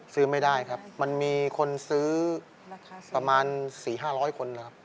ซื้อไม่ได้ครับมันมีคนซื้อประมาณ๔๕๐๐คนนะครับ